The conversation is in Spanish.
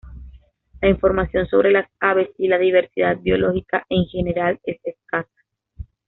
La información sobre las aves y la diversidad biológica en general es escasa.